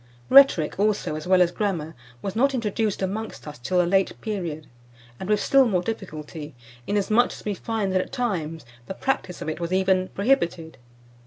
Rhetoric, also, as well as Grammar, was not introduced amongst us till a late period, and with still more difficulty, inasmuch as we find that, at times, the practice of it was even prohibited.